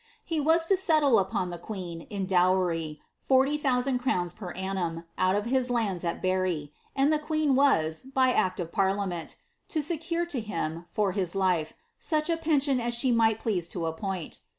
He was to settle upon the queen, in dowry, 40,000 crowns per annum, out of his lanils at Berri, and the queen was, by act of parliament, to secure to him, for his life, sucli a pension as she might please to appoint.'